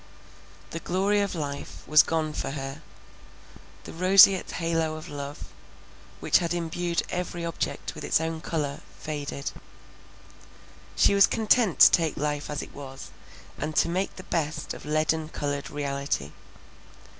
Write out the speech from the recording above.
The glory of life was gone for her; the roseate halo of love, which had imbued every object with its own colour, faded;—she was content to take life as it was, and to make the best of leaden coloured reality.